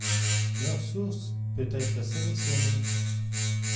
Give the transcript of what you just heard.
Leur source peut être sélectionnée.